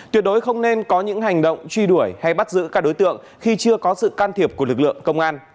tuyệt đối không nên có những hành động truy đuổi hay bắt giữ các đối tượng khi chưa có sự can thiệp của lực lượng công an